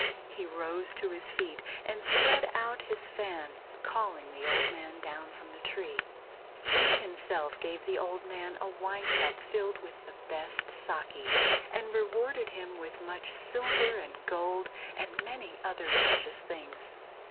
He rose to his feet and spread out his fan, calling the old man down from the tree. He himself gave the old man a wine cup filled with the best SAKE, and rewarded him with much silver and gold and many other precious things.